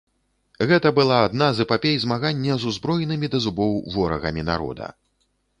Гэта была адна з эпапей змагання з узброенымі да зубоў ворагамі народа.